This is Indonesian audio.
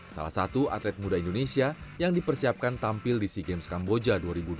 salah satu atlet muda indonesia yang dipersiapkan tampil di sea games kamboja dua ribu dua puluh